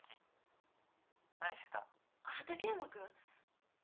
畑山君？